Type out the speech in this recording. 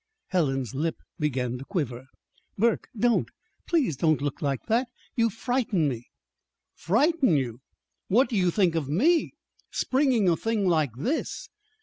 Helen's lip began to quiver. "Burke, don't please don't look like that. You frighten me." "Frighten you! What do you think of me? springing a thing like this!"